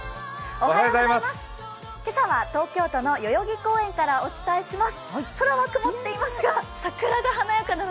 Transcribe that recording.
今朝は東京都の代々木公園からお伝えします。